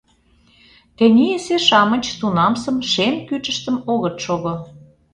Тенийысе-шамыч тунамсым шем кӱчыштым огыт шого.